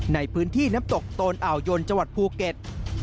ในพื้นที่น้ำตกโตนอ่าวยนจังหวัดภูเก็ต